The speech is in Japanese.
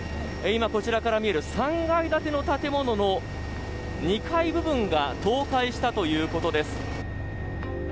今こちらから見える３階建ての建物も２階部分が倒壊したということです。